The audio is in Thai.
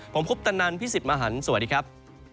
ผมคุปตะนันพี่สิทธิ์มหันฯสวัสดีครับ